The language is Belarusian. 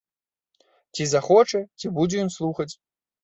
Ці захоча, ці будзе ён слухаць?